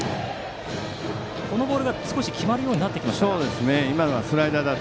このボールが決まるようになってきましたか。